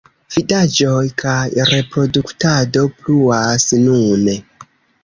Vidaĵoj kaj reproduktado pluas nune.